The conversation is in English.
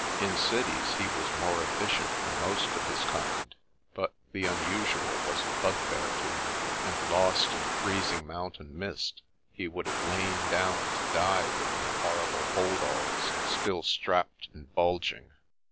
In cities, he was more efficient than most of his kind, but the •Unusual was a bugbear to him; and, lost in a freezing mountain mist, he would have lain down to die with my horrible hold alls still strapped and bulging.